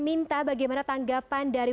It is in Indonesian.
minta bagaimana tanggapan dari